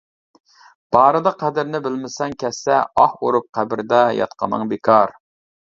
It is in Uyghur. بارىدا قەدرىنى بىلمىسەڭ كەتسە، ئاھ ئۇرۇپ قەبرىدە ياتقىنىڭ بىكار.